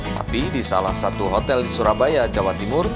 tapi di salah satu hotel di surabaya jawa timur